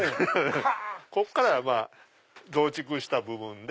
ここからは増築した部分で。